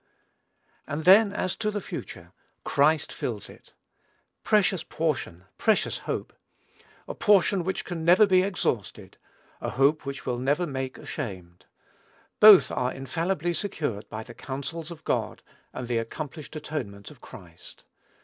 And then as to the future, Christ fills it. Precious portion! Precious hope! A portion which can never be exhausted: a hope which will never make ashamed. Both are infallibly secured by the counsels of God, and the accomplished atonement of Christ.